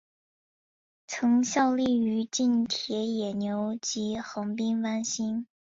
曾效力于近铁野牛及横滨湾星。